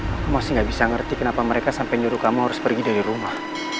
aku masih gak bisa ngerti kenapa mereka sampai nyuruh kamu harus pergi dari rumah